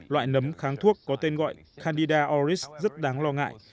loại nấm kháng thuốc có tên gọi candida auris rất đáng lo ngại